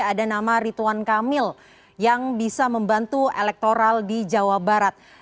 ada nama rituan kamil yang bisa membantu elektoral di jawa barat